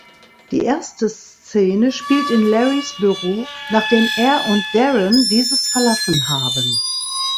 Die erste Szene spielt in Larrys Büro, nachdem er und Darren dieses verlassen haben.